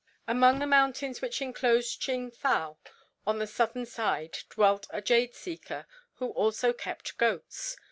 Among the mountains which enclose Ching fow on the southern side dwelt a jade seeker, who also kept goats.